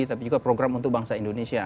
tapi juga program untuk bangsa indonesia